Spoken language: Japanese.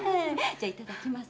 じゃいただきます。